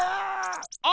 あ！